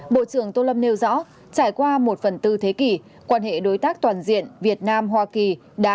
bộ trưởng tô lâm nêu rõ trải qua một phần tư thế kỷ quan hệ đối tác toàn diện việt nam hoa kỳ